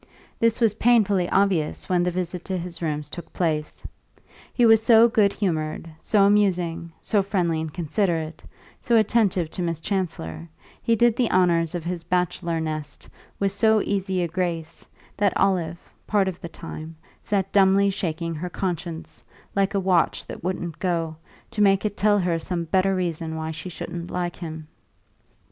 This was painfully obvious when the visit to his rooms took place; he was so good humoured, so amusing, so friendly and considerate, so attentive to Miss Chancellor, he did the honours of his bachelor nest with so easy a grace, that Olive, part of the time, sat dumbly shaking her conscience, like a watch that wouldn't go, to make it tell her some better reason why she shouldn't like him.